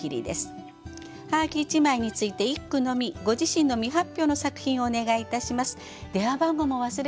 ご自身の未発表の作品をお願いいたします。